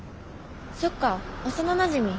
そっか幼なじみ。